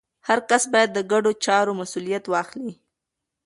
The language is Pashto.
هر کس باید د ګډو چارو مسوولیت واخلي.